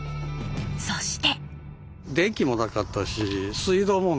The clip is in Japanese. そして。